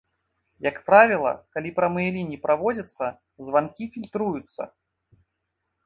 Як правіла, калі прамыя лініі праводзяцца, званкі фільтруюцца.